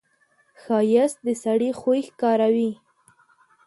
ښایست د سړي خوی ښکاروي